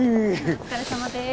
お疲れさまです。